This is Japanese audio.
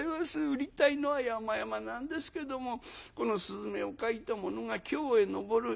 売りたいのはやまやまなんですけどもこの雀を描いた者が『京へ上る。